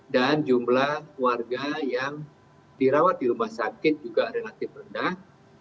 dan jumlah warga yang dirawat di rumah sakit juga relatif rendah